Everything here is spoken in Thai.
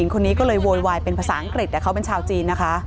คนนี้ก็เลยโวยวายเป็นภาษาอังกฤษแต่เขาเป็นชาวจีนนะคะ